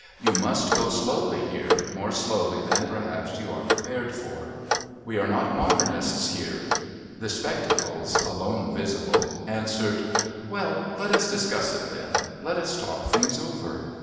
You must go slowly here more slowly than perhaps you are prepared for. We are not Modernists here." The spectacles, alone visible, answered: "Well, let us discuss it then. Let us talk things over.